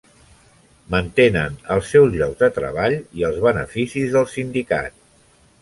Mantenen els seus llocs de treball i els beneficis del sindicat.